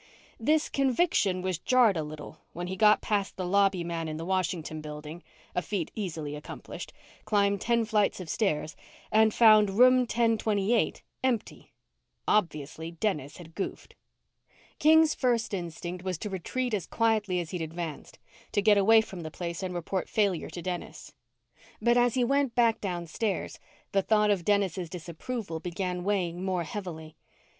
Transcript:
This conviction was jarred a little when he got past the lobby man in the Washington building a feat easily accomplished climbed ten flights of stairs, and found room ten twenty eight empty. Obviously, Dennis had goofed. King's first instinct was to retreat as quietly as he'd advanced; to get away from the place and report failure to Dennis. But as he went back downstairs, the thought of Dennis' disapproval began weighing more heavily.